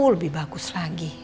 lebih bagus lagi